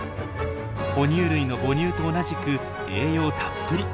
哺乳類の母乳と同じく栄養たっぷり。